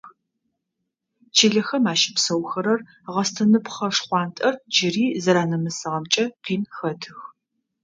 Чылэхэм ащыпсэухэрэр гъэстыныпхъэ шхъуантӏэр джыри зэранэмысыгъэмкӏэ къин хэтых.